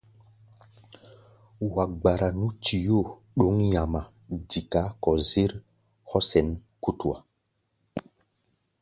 Wa gbara nú tuyóo ɗǒŋ ŋamá dika kɔ-zér hɔ́ sɛn kútua.